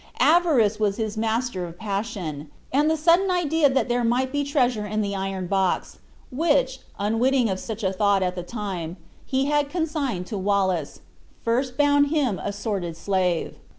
Avarice was his master passion; and the sudden idea that there might be treasure in the iron box, which, unwitting of such a thought at the time, he had consigned to Wallace, first bound him a sordid slave.